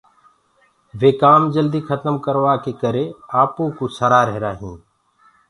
وي ڪآم جلدي کتم ڪروآ ڪي ڪري آپو ڪوُ سرآ رهيرآ هينٚ۔